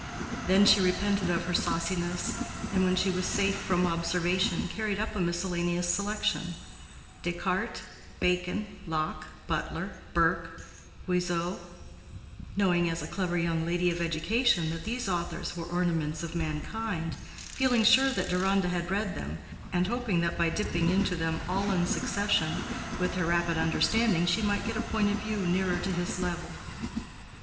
Then she repented of her sauciness, and when she was safe from observation carried up a miscellaneous selection—Descartes, Bacon, Locke, Butler, Burke, Guizot—knowing, as a clever young lady of education, that these authors were ornaments of mankind, feeling sure that Deronda had read them, and hoping that by dipping into them all in succession, with her rapid understanding she might get a point of view nearer to his level.